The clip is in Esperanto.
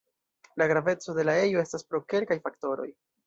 La graveco de la ejo estas pro kelkaj faktoroj.